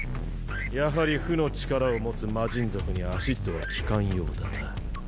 やはり負の力を持つ魔神族に「腐蝕」は効かんようだな。